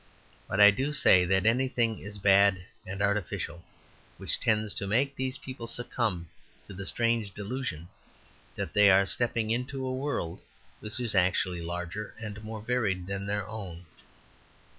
But I do say that anything is bad and artificial which tends to make these people succumb to the strange delusion that they are stepping into a world which is actually larger and more varied than their own.